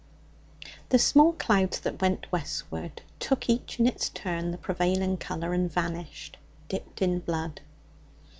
The small clouds that went westward took each in its turn the prevailing colour, and vanished, dipped in blood.